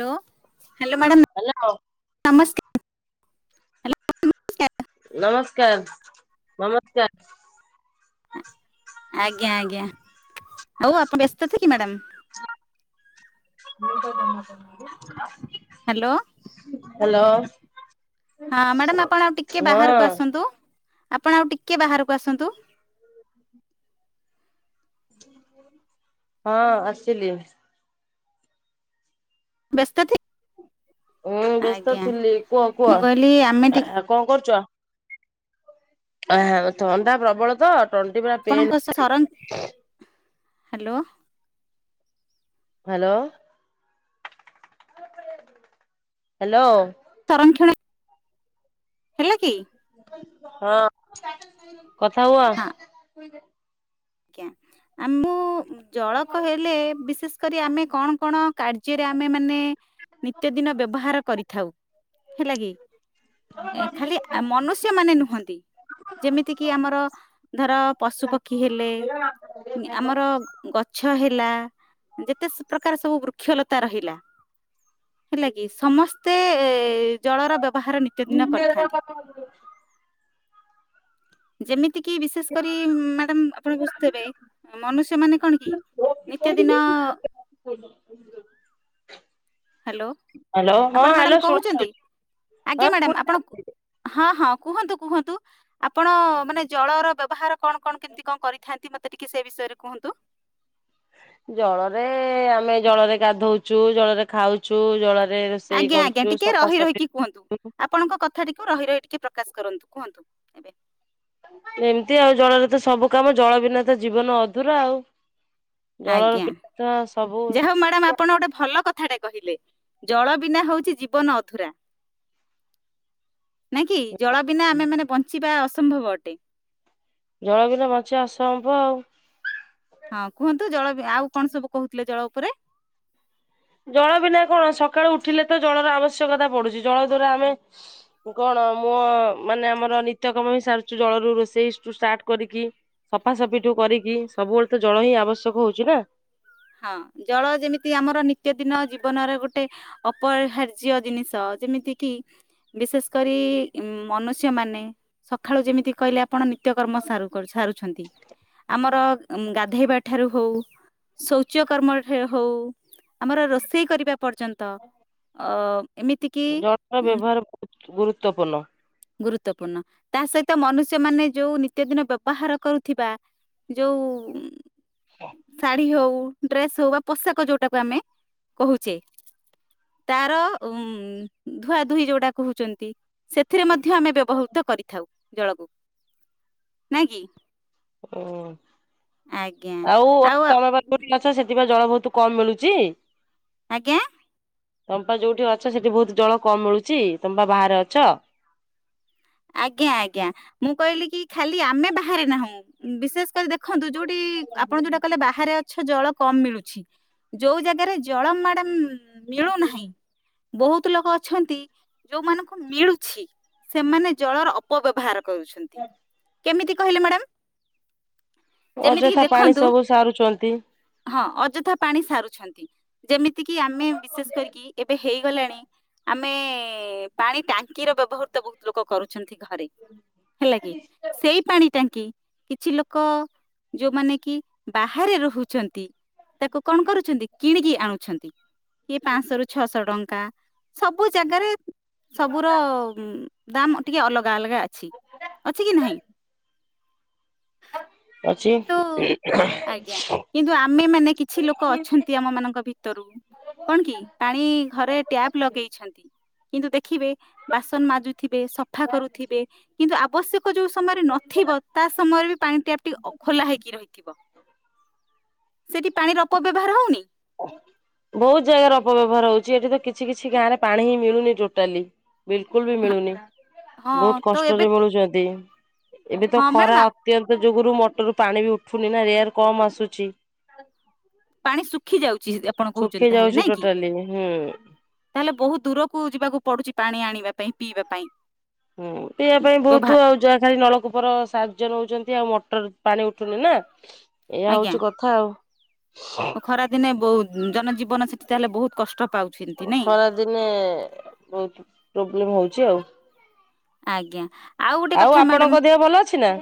ଲୋ hello hello madam ନମସ୍କ ନମସ୍କାର ନମସ୍କାର। ଆଜ୍ଞା ଆଜ୍ଞା ହଉ ଆପ ବ୍ୟସ୍ତଥି କି ମ୍ୟାଡ଼ାମ? ମୁଁ ତ ତ ମନା କରୁନେଇ ଯେ ହାଲୋ। ହାଲୋ। ହଁ ମ୍ୟାଡ଼ାମ ଆପଣ ଆଉ ଟିକେ ବାହାରୁକୁ ଆସନ୍ତୁ ଆପଣ ଆଉ ଟିକେ ବାହାରୁକୁ ଆସନ୍ତୁ। ହଁ ଆସିଲି। ବ୍ୟସ୍ତଥି ଉଁ ବ୍ୟସ୍ତ ଥିଲି କୁହ କୁହ ମୁଁ କହିଲି ଆମେ ଟିକେ ଆ କଁ କରୁଚ? ଆହା ଓ ଥଣ୍ଡା ପ୍ରବଳ ତ ତଣ୍ଟି ପୁରା ପେନ୍ ପଣଙ୍କ ସେ ସଂର ହାଲୋ। ହାଲୋ। ହେଲୋ। ସଂରକ୍ଷଣ ହେଲା କି? ହଁ କଥା ହୁଅ। ତୁଇ ଦେ ଜ୍ଞା ଆ ମୁଁ ଉଁ ଜଳକ ହେଲେ ବିଶେଷ କରି ଆମେ କଣ କଣ କାର୍ଯ୍ୟରେ ଆମେ ମାନେ ନିତ୍ୟ ଦିନ ବ୍ୟବହାର କରିଥାଉ, ହେଲା କି? ଏ ଖାଲି ଆ ମନୁଷ୍ୟମାନେ ନୁହଁନ୍ତି। ଯେମିତି କିି ଆମର ଧର ପଶୁପକ୍ଷୀ ହେଲେ ନି ଆମର ଗ ଛ ହେଲା ଯେତେ ସ ପ୍ରକାର ସବୁ ବୃକ୍ଷଲତା ରହିଲା। ହେଲା କି ସମସ୍ତେ ଜଳର ବ୍ୟବହାର ନିତ୍ୟ ଦିନ କରିଥାନ୍ତି। ଯେମିତି କି ବିଶେଷ କରି ମାଡ଼ାମ୍ ଅ ତେବେ ମନୁଷ୍ୟ ମାନେ କଣ କି ନିତ୍ୟ ଦିନ କୋଇଲା ଏପଟୁକୁ ଆଇ। ହ୍ୟାଲୋ ହାଲୋ ହଁ ଆପଣ ମ୍ୟାଡାମ ହାଲୋ ଶୁଣା କହୁଛନ୍ତି ଯାଉଚି ଆଜ୍ଞା ହଁ ମ୍ୟାଡାମ ଶୁଣ୍ ଆପଣ କୁଅ ହଁ ହଁ କୁହନ୍ତୁ କୁହନ୍ତୁ ଆପଣ ମାନେ ଜଳର ବ୍ୟବହାର କଣ କଣ କେମତି କଣ କରିଥାନ୍ତି ମତେ ମତେ ଟିକେ ସେ ବିଷୟରେ କୁହନ୍ତୁ। ଜଳରେ ଆମେ ଜଳରେ ଗାଧଉଛୁ ଜଳରେ ଖାଉଛୁ ଜଳରେ ରୋଷେଇ ଆଜ୍ଞା ଆଜ୍ଞା କରୁଛୁ ଟିକେ ରହି ସଫାସଫି ରହିକି କୁହନ୍ତୁ ଆ ଆପଣଙ୍କ କଥା ଟିକୁ ରହି ରହି ଟିକେ ପ୍ରକାଶ କରନ୍ତୁ କୁହନ୍ତୁ। ଏମିତି ଆଉ ଜଳରେ ତ ସବୁ କାମ ଜଳ ବିନା ତ ଜୀବନ ଅଧୁରା ଆଉ। ଆଜ୍ଞା ଜଳର [unintelligible] ସବୁ ଯାହା ହଉ ମ୍ୟାଡାମ ଆପଣ ଗୋଟେ ଭଲ କଥାଟେ କହିଲେ ଜଳ ବିନା ହଉଛି ଜୀବନ ଅଧୁରା। ନାଇଁ କି ଜଳ ବିନା ଆମେ ମାନେ ବଞ୍ଚିବା ଅସମ୍ଭବ ଅଟେ। ଜଳ ବିନା ବଞ୍ଚିବା ଅସମ୍ଭବ ଆଉ। ହଁ କୁହନ୍ତୁ ଜଳ ଆଉ କଣ ସବୁ କହୁଥିଲେ ଜଳ ଉପରେ। ଜଳ ବିନା କଣ ସକାଳୁ ଉଠିଲେ ତ ଜଳର ଆବଶ୍ୟକତା ପଡୁଛି ଜଳ ଦ୍ଵାରା ଆମେ କଣ ମୁଁ ମାନେ ଆମର ନିତ୍ୟ କାମ ହେଇ ସାରିଛୁ ଜଳରୁ ରୋଷେଇ ରୁ ଷ୍ଟାର୍ଟ କରିକି ସଫାସଫି ଠୁ କରିକି ସବୁବେଳେ ତ ଜଳ ହିଁ ଆବଶ୍ୟକ ହଉଛି ନାଁ। ହଁ ଜଳ ଯେମିତି ଆମର ନିତ୍ୟ ଦିନ ଜୀବନରେ ଗୋଟେ ଅପରିହାର୍ଯ୍ୟ ଜିନିଷ ଯେମିତି କି ବିଶେଷ କରି ଉ ମନୁଷ୍ୟ ମାନେ ସକାଳୁ ଯେମିତି କହିଲା ଆପଣ ନିତ୍ୟକର୍ମ ସାରୁ ସାରୁଛନ୍ତି ଆମର ଗାଧୋଇବା ଠାରୁ ହଉ। ଶୌଚ କର୍ମ ହଉ। ଆମର ରୋଷେଇ କରିବା ପର୍ଯ୍ୟନ୍ତ ଅ ଏମିତି କି ଜଳର ବ୍ୟବହାର ବହୁତ ଗୁରୁତ୍ୱପୂର୍ଣ୍ଣ। ଗୁରୁତ୍ୱପୂର୍ଣ୍ଣ ତା ସହିତ ମନୁଷ୍ୟ ମାନେ ଯୋଉ ନିତ୍ୟ ଦିନ ବ୍ୟବହାର କରୁଥିବା ଯୋଉ ଶାଢ଼ୀ ହଉ। ଡ୍ରେସ୍ ହଉ ବା ପୋଷାକ ଯୋଉଟାକୁ ଆମେ କହୁଛେ। ତାର ଉ ଧୁଆ ଧୁହି ଯୋଉଟା କହୁଛନ୍ତି। ଏଥିରେ ମଧ୍ୟ ଆମେ ବ୍ୟବହୃତ କରିଥାଉ ଜଳକୁ ନାଇଁ କି। ଓ ଆଉ ଆଜ୍ଞା ଆଉ [unintelligible] ମାଛ ସେଥିପାଇଁ ଜଳ ବହୁତ୍ କମ୍ ମିଳୁଛି। ଆଜ୍ଞା। ତମେ ଯୋଉଠି ଅଛ ସେଠି ବହୁତ୍ ଜଳ କମ୍ ମିଳୁଛି ତମେ ପା ବାହାରେ ଅଛ। ଆଜ୍ଞା ଆଜ୍ଞା ମୁଁ କହିଲି କି ଖାଲି ଆମେ ବାହାରେ ନାହୁଁ ବିଶେଷ କରି‌ ଦେ ଦେଖନ୍ତୁ ଯୋଉଠି ଆପଣ ଯୋଉଟା କହିଲେ ବାହାରେ ଗଛ ଜଳ କମ୍ ମିଳୁଛି ଯୋଉ ଜାଗାରେ ଜଳ ମ୍ୟାଡ଼ାମ୍ ମିଳୁନାହିଁ ବହୁତ୍ ଲୋକ ଅଛନ୍ତି ଯୋଉମାନଙ୍କୁ ମିଳୁଛି ସେମାନେ ଜଳର ଅ ଅପବ୍ୟବହାର କରୁଛନ୍ତି କେମିତି କହିଲେ ମ୍ୟାଡ଼ାମ୍? ଅଯଥା ପାଣି ସବୁ ସାରୁଛନ୍ତି। ହଁ ଅଯଥା ପାଣି ସାରୁଛନ୍ତି ଯେମିତି ଏତିକି ଆମେ ବିଶେଷ କରିକି ଏବେ ହେଇଗଲାଣି ଆମେ ପାଣି ଟାଙ୍କିର ବ୍ୟବହୃତ ବହୁତ୍ ଲୋକ କରୁଛନ୍ତି ଘରେ। ହେଲାକି ସେଇ ପାଣି ଟାଙ୍କି କିଛି ଲୋକ ଯୋଉମାନେ କି ବାହାରେ ରହୁଛନ୍ତି। ତାକୁ କଣ କରୁଛନ୍ତି କିଣିକି ଆଣୁଛନ୍ତି। ଇଏ ପାଞ୍ଚଶହ ରୁ ଛଅଶହ ଟଙ୍କା ସବୁ ଜାଗାରେ ସବୁର ଦାମ୍ ଟିକେ ଅଲଗା ଅଲଗା ଅଛି ଅଛି କି ନାହିଁ? ଅଛି। କିନ୍ତୁ ଆଜ୍ଞା କିନ୍ତୁ ଆମେ ମାନେ କିଛି ଲୋକ ଅଛନ୍ତି ଆମ ମାନଙ୍କ ଭିତରୁ କଣ କି ପାଣି ଘରେ ଟ୍ୟାବ୍ ଲଗେଇଛନ୍ତି କିନ୍ତୁ ଦେଖିବେ ବାସନ ମାଜୁ ଥିବେ ସଫା କରୁଥିବେ। କିନ୍ତୁ ଆବଶ୍ୟକ ଯୋଉ ସମୟରେ ନଥିବ ତା ସମୟରେ ବି ପାଣି ଟ୍ୟାପ୍ ଟି ଅ ଖୋଲା ହେଇକି ରହିଥି ବ ସେଠି ପାଣିର ଅପବ୍ୟବହାର ହଉନି। ବହୁତ ଜାଗାରେ ଅପବ୍ୟବହାର ହଉଚି ଏଠି ତ କିଛି କିଛି ଗାଁ ରେ ପାଣି ହିଁ ମିଳୁନି ଟୋଟାଲି। ବିଲକୁଲ୍ ବି ହଁ ମିଳୁନି ହଁ, ବହୁତ ତ ଏବେ କଷ୍ଟରେ ମିଳୁଚନ୍ତି ଏବେ ତ ହଁ ମ୍ୟାଡାମ ଖରା ଅତ୍ୟନ୍ତ ଯୁଗୁରୁ ମଟରରୁ ପାଣି ବି ଉଠୁନି ନା ରେୟାର୍ କମ୍ ଆସୁଚି। ପାଣି ଶୁଖି ଯାଉଚି ଆପଣ ଶୁଖି କହୁଚନ୍ତି ତାହେଲେ ଯାଉଛି ନାଇଁ କି? ଟୋଟାଲି ହୁଁ ତାହେଲେ ବହୁତ ଦୂରକୁ ଯିବାକୁ ପଡୁଚି ପାଣି ଆଣିବା ପାଇଁ ପିଇବା ପାଇଁ। ହୁଁ ପିଇଆ ପାଇଁ ବହୁତ ବ୍ୟବହା- ଆଉ ଯା ଖାଲି ନଳକୂପର ସାହାଯ୍ୟ ନଉଚନ୍ତି ଆଉ ମଟର ପାଣି ଉଠୁନି ନା। ଏଇଆ ଆଜ୍ଞା ହଉଚି କଥା ଆଉ। ଏ ଦିନେ ବହୁତ ଜନଜୀବନ ସେଠି ତାହେଲେ ବହୁତ କଷ୍ଟ ପାଉ ଖରା ଦିନେ ବହୁତ ପ୍ରୋବ୍ଲେମ ହଉଚି ଆଉ। ଆଜ୍ଞା। ଗୋଟେ ଆଉ କଥା ମ୍ୟାଡାମ ଆପଣଙ୍କ ଦେହ ଭଲ ଅଛି ନା?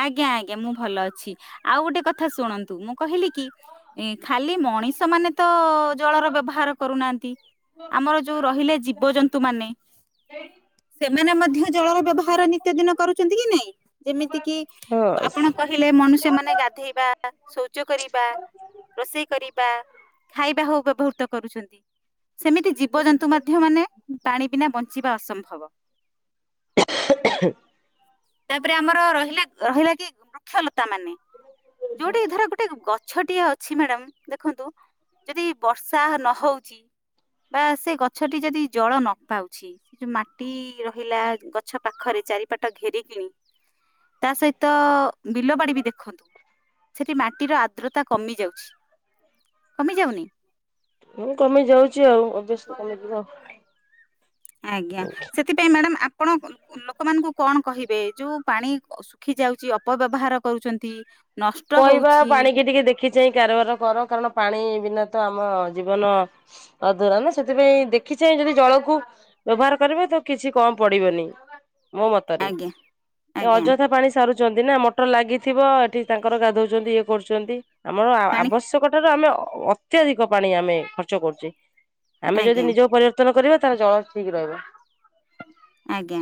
ଆଜ୍ଞା ଆଜ୍ଞା ମୁଁ ଭଲ ଅଛି, ଆଉ ଗୋଟେ କଥା ଶୁଣନ୍ତୁ ମୁଁ କହିଲି କି ଏଁ ଖାଲି ମଣିଷ ମାନେ ତ ଜଳର ବ୍ୟବହାର କରୁନାହାନ୍ତି। ଆମର ଯୋଉ ରହିଲେ ଜୀ ଜୀବଜନ୍ତୁ ମାନେ ସେମାନେ ମଧ୍ୟ ଜଳର ବ୍ୟବହାର ନିତ୍ୟ ଦିନ କରୁଚନ୍ତି କି ନାଇଁ? ଯେମିତି କିି ହଁ। ଆପଣ କହିଲେ ମନୁଷ୍ୟ ମାନେ ଗାଧେଇବା, ଶୌଚ କରିବା ରୋଷେଇ କରିବା ଖାଇବା ହଉ ବ୍ୟବହୃତ କରୁଛନ୍ତି। ସେମିତି ଜୀବଜନ୍ତୁ ମଧ୍ୟ ମାନେ ପାଣି ବିନା ବଞ୍ଚିବା ଅସମ୍ଭବ। ତାପରେ ଆମର ରହିଲା ରହିଲା କି ବୃକ୍ଷଲତା ମାନେ ଯୋଉଠି ଧର ଗୋଟ ଗୋଟେ ଗଛଟିଏ ଅଛି ମ୍ୟାଡାମ୍ ଦେଖନ୍ତୁ ଯଦି ବର୍ଷା ନହଉଚି ବା ସେ ଗଛଟି ଯଦି ଜଳ ନ ପାଉଛି। ସେ ଯୋଉ ମାଟି ରହିଲା ଗଛ ପାଖରେ ଚାରିପାଟ ଘେରି କି ତା ସହିତ ବିଲ ବାଡି ବି ଦେଖନ୍ତୁ ସେଠି ମାଟିର ଆର୍ଦ୍ରତା କମି ଯାଉଛି, କମି ଯାଉନି? ଉଁ କମି ଯାଉଚି ଆଉ ଅବ୍ୟସ୍ଲି କମି ଯିବ। ଆଜ୍ଞା ସେଥିପାଇଁ ମ୍ୟାଡ଼ାମ୍ ଆପଣ ଲୋକମାନଙ୍କୁ କଣ କହିବେ ଯୋଉ ପାଣି ଶୁଖି ଯାଉଚି ଅପବ୍ୟବହାର କରୁଚନ୍ତି? କଇବା ପାଣିିକି ଟିକେ ଦେଖି ଚାଇଁ କାରବାର କର କାରଣ ପାଣି ବିନା ତ ଆମ ଜୀବନ ଅଧୁରା ନା ସେଥିପାଇଁ ଦେଖି ଚାଇଁ ଯଦି ଜଳକୁ ବ୍ୟବହାର କରିବେ ତ କିଛି କମ ପଡିବନି। ମୋ ମତରେ ଆଜ୍ଞା ଏ ଆଜ୍ଞା ଅଯଥା ପାଣି ସାରୁଚନ୍ତି ନା ମଟର ଲାଗିଥିବ ଏଠି ତାଙ୍କର ଗାଧୋଉଚନ୍ତି ଇଏ କରୁଚନ୍ତି ଆମର ଆ ଆବଶ୍ୟ ପାଣି ଆବଶ୍ୟକ ଠାରୁ ଆମେ ଅ ଅତ୍ୟଧିକ ପାଣି ଆମେ ଖର୍ଚ୍ଚ କରୁଚେ ଆମେ ଯଦି ଆଜ୍ଞା ନିଜ ଉପରେ ଆୟତ୍ତନ କରିବା ତାହେଲେ ଜଳ ଠିକ୍ ରହିବ। ଆଜ୍ଞା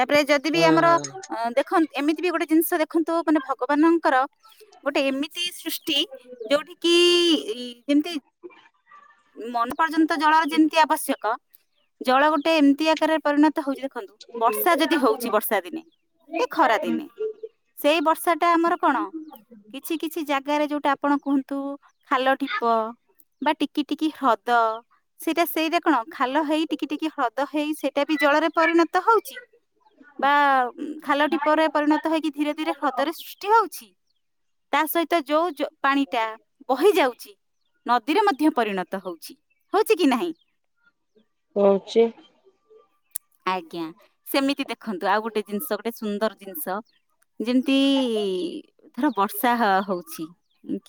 ତାପରେ ଯଦି ବି ହୁଁ ଆମର ହୁଁ। ଅଁ ଦେଖ୍ ଦେଖନ୍ ଏମିତି ବି ଗୋଟେ ଜିନିଷ ଦେଖନ୍ତୁ ମାନେ ଭଗବାନଙ୍କର ଗୋଟେ ଏମିତି ସୃଷ୍ଟି ଯୋଉଠି କିି ଇ ଯେମତି ମନୁ ପର୍ଯ୍ୟନ୍ତ ଜଳର ଯେମିତି ଆବଶ୍ୟକ ଜଳ ଗୋଟେ ଏମିତି ଆକାରରେ ପରିଣତ ହଉଛି ଦେଖନ୍ତୁ ବର୍ଷା ଯଦି ହଉଛି ବର୍ଷା ଦିନେ କି ଖରା ଦିନେ ସେଇ ବର୍ଷା ଟା ଆମର କଣ କିଛି କିଛି ଜାଗାରେ ଯୋଉଟା ଆପଣ କୁହନ୍ତୁ ଖାଲ ଠିପ ବା ଟିକି ଟିକି ହ୍ରଦ ସେଇଟା ସେଇଟା କଣ ଖାଲ ହେଇ ଟିକେ ଟିକେ ହ୍ରଦ ହେଇ ସେଇଟା ବି ଜଳରେ ପରିଣତ ହଉଛି। ବା ଖାଲ ଟିପରେ ପରିଣତ ହେଇକି ଧୀରେ ଧୀରେ ହ୍ରଦରେ ସୃଷ୍ଟି ହଉଛି। ତା ସହିତ ଯୋଉ ପାଣି ଟା ବହି ଯାଉଛି ନଦୀରେ ମଧ୍ୟ ପରିଣତ ହଉଛି ହଉଛି କି ନାହିଁ। ହଉଛି। ଆଜ୍ଞା ସେମିତି ଦେଖନ୍ତୁ ଆଉ ଗୋଟେ ଜିନିଷ ଗୋଟେ ସୁନ୍ଦର ଜିନିଷ ଯେମିତି ଥର ବର୍ଷା ହଉଛି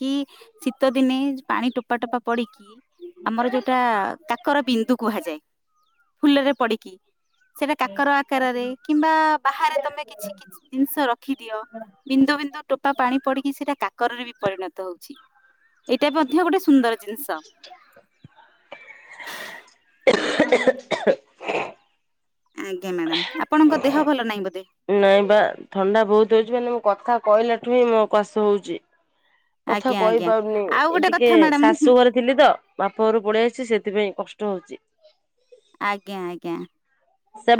କି ଶୀତ ଦିନେ ପାଣି ଟୋପା ଟୋପା ପଡିକି ଆମର ଯୋଉଟା କାକର ବିନ୍ଦୁ କୁହାଯାଏ। ଫୁଲରେ ପଡିକି। ସେଟା କାକର ଆକାରରେ କିମ୍ବା ବାହାରେ ତମେ କିଛି ଜିନିଷ ରଖିଦିଅ ବିନ୍ଦୁ ବିନ୍ଦୁ ଟୋପା ପାଣି ପଡିକି ସେଇଟା କାକରରେ ବି ପରିଣତ ହଉଛି। ଏଇଟା ମଧ୍ୟ ଗୋଟେ ସୁନ୍ଦର ଜିନିଷ। [unintelligible] [inaudible] ଆଜ୍ଞା ମ୍ୟାଡ଼ାାମ ଆପଣଙ୍କ ଦେହ ଭଲ ନାହିଁ ବୋଧେ? ନାଇଁ ବା ଥଣ୍ଡା ବହୁତ ହଉଛି ମାନେ ମୁଁ କଥା କହିଲାଠୁ ହିଁ ମୋ କଶ ହଉଛି। କଥା ଆଜ୍ଞା ଆଜ୍ଞା କହିପାରୁନି ଆଉ ଏ ଗୋଟେ ଟିକେ କଥା ମ୍ୟାଡାମ ଶାଶୁ ଘରେ ଥିଲି ତ ବାପ ଘରୁ ପଳେଇଆସିଛି ସେଥିପାଇଁ କଷ୍ଟ ହଉଛି। ଆଜ୍ଞା ଆଜ୍ଞା।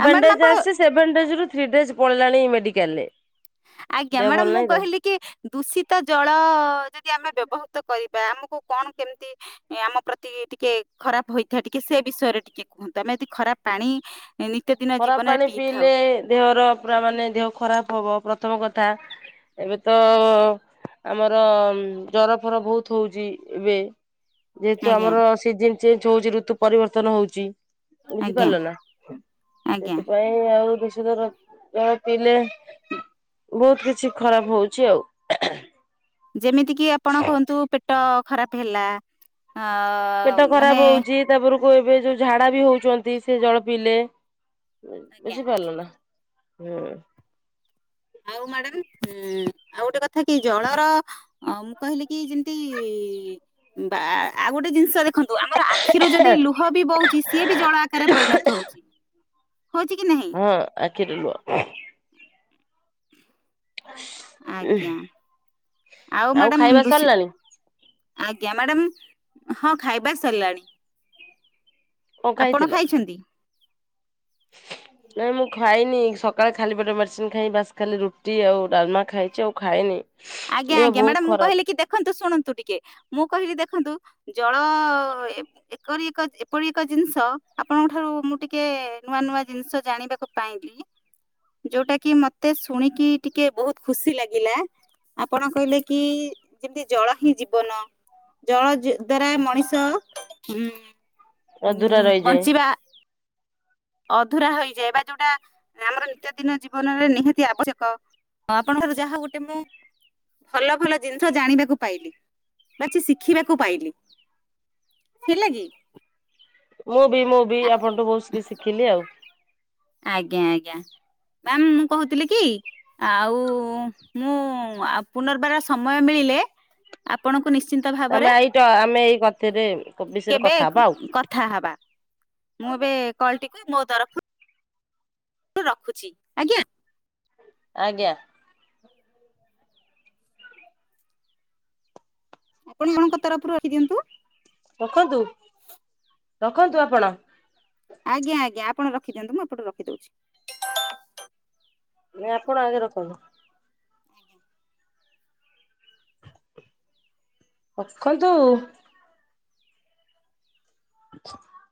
ଆଉ ମ୍ୟାଡାମ ଡେଜ୍ ଆପଣ ଆସିଚି ସେଭେନ୍ ଡେଜ୍ ରୁ ଥ୍ରୀ ଡେଜ୍ ପଳେଇଲାଣି ମେଡିକାଲରେ। ଆଜ୍ଞା ଦେହ ମ୍ୟାଡାମ ଭଲ ମୁଁ ନାହିଁ ତ। କହିଲି କି ଦୂଷିତ ଜଳ ଯଦି ଆମେ ବ୍ୟବହୃତ କରିବା ଆମକୁ କଣ କେମିତି ଆମ ପ୍ରତି ଟିକେ ଖରାପ ହୋଇଥାଏ ଟିକେ ସେ ବିଷୟରେ ଟିକେ କୁହନ୍ତୁ ଆମେ ଯଦି ଖରାପ ପାଣି ଏ ନିତ୍ୟ ଦିନ ଖରାପ ପାଣି ପିଇଲେ ଦେହର ପୁରା ମାନେ ଦେହ ଖରାପ ହବ ପ୍ରଥମ କଥା ଏବେ ତ ଆମର ଜର ଫର ବୋହୁତ୍ ହଉଛି ଏବେ। ଯେହେତୁ ଆଜ୍ଞା ଆମର ସିଜିନ୍ ଚେଞ୍ଜ ହଉଛି ଋତୁ ପରିବର୍ତ୍ତନ ହଉଛି ଆଜ୍ଞା ବୁଝିପାରିଲ ନା। ଆଜ୍ଞା ସେଥିପାଇଁ ଆଉ ଦୂଷିତ ଜଳ ପିଇଲେ ବୋହୁତ୍ କିଛି ଖରାପ ହଉଛି ଆଉ। ଯେମିତିକି ଆପଣ କୁହନ୍ତୁ ପେଟ ଖରାପ ହେଲା ପେଟ ଖରାପ ମାନେ ହଉଛି ତାପରକୁ ଏବେ ଯୋଉ ଝାଡା ବି ହଉଛନ୍ତି ସେ ଜଳ ପିଇଲେ ଆଜ୍ଞା ବୁଝିପାରିଲ ନା। ହୁଁ। ଆଉ ମ୍ୟାଡାାମ ଉଁ ଆଉ ଗୋଟେ କଥା କି ଜଳର ଅ ମୁଁ କହିଲି କି ଯେମତି ବା ଆଉ ଗୋଟେ ଜିନିଷ ଦେଖନ୍ତୁ ଆମର ଆଖିରୁ ଯଦି ଲୁ ବି ବହୁଛି ସିଏ ବି ଜଳ ଆକାରରେ ପରିଣତ ହଉଛି। ହଉଛି କି ନାହିଁ? ହଁ ଆଖିରୁ ଲୁହ। ହ ଆଜ୍ଞା ଆଉ ମ୍ୟାଡ଼ାମ ଖାଇବା ଦୁଷ ସରିଲାଣି ଆଜ୍ଞା ମ୍ୟାଡାମ ହଁ ଖାଇବା ସରିଲାଣି। କଣ ଆପଣ ଖାଇଥିଲ? ଖାଇଛନ୍ତି? [inaudible] ନାଇଁ ମୁଁ ଖାଇନି। ସକାଳେ ଖାଲି ପେଟ୍ ରେ ମେଡିସିନ୍ ଖାଇ ବାସ୍ ଖାଲି ରୁଟି, ଆଉ ଡାଲମା ଖାଇଛି, ଆଉ ଖାଇଏ୍ନି। ଆଜ୍ଞା, ଆଜ୍ଞା, ମ୍ୟାଡ଼ାମ୍ ମୁଁ କହିଲି କି ଦେଖନ୍ତୁ ଶୁଣନ୍ତୁ ଟିକେ ମୁଁ କହିଲି ଦେଖନ୍ତୁ ଜଳ ଏବ୍ ଏକରି ଏକ, ଏପରି ଏକ ଜିନିଷ ଆପଣଙ୍କ ଠାରୁ ମୁଁ ଟିକେ ନୂଆ ନୂଆ ଜିନିଷ ଜାଣିବାକୁ ପାଇଁକି ଯୋଉଟା କି ମତେ ଶୁଣିକି ଟିକେ ବହୁତ ଖୁସି ଲାଗିଲା। ଆପଣ କହିଲେ କି, ଯେମିତି ଜଳ ହିଁ ଜୀବନ। ଜଳ ଜ ଦ୍ଵାରା ମଣିଷ ଉଁ- ଉଁ ଅଧୁରା ରହିଯାଏ ବଞ୍ଚିବା। ଅଧୁରା ହୋଇଯାଏ ବା ଯୋଉଟା ଆମର ନିତ୍ୟଦିନ ଜୀବନରେ ନିହାତି ଆବଶ୍ୟକ। ଆପଣଙ୍କର ଯାହା ଗୋଟେ ମୁଁ ଭଲ ଭଲ ଜିନିଷ ଜାଣିବାକୁ ପାଇଲି। ବା କିଛି ଶିଖିବାକୁ ପାଇଲି। ଥିଲେ କି? ମୁଁ ବି ମୁଁ ବି ଆ- ଆପଣଙ୍କଠୁ ବହୁତ କିଛି ଶିଖିଲି ଆଉ। ଆଜ୍ଞା, ଆଜ୍ଞା, ମାମ୍ ମୁଁ କହୁଥିଲି କି? ଆଉ, ମୁଁ ଆଉ ପୁନର୍ବାର ସମୟ ମିଳିଲେ ଆପଣଙ୍କୁ ନିଶ୍ଚିନ୍ତ ଆମେ ଭାବରେ, ଏଇଟ ଆମେ ଏଇ କଥିରେ ବିଷୟରେ କେବେ କଥା ହବା ଆଉ କଥା ହବା? ମୁଁ, ଏବେ କଲ୍ ଟିକି ମୋ ତରଫୁ ରଖୁଛି ଆଜ୍ଞା। ଆଜ୍ଞା। ଆପଣ ମାନଙ୍କ ତରଫରୁ ରଖି ଦିଅନ୍ତୁ। ରଖନ୍ତୁ, ରଖନ୍ତୁ, ଆପଣ। ଆଜ୍ଞା ଆ୍ଞା ଆପଣ ରିଖିଦିଅନ୍ତୁ। ମୁଁ ଏପଟୁ ରଖିଦଉଛି। ନାଇଁ ଆପଣ ଆଗେ ରଖନ୍ତୁ। ରଖନ୍ତୁ।